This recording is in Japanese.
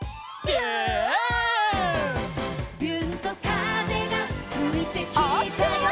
「びゅーんと風がふいてきたよ」